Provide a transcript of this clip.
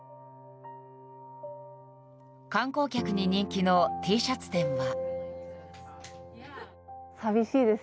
観光客に人気のＴシャツ店は。